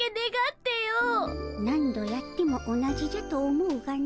何度やっても同じじゃと思うがの。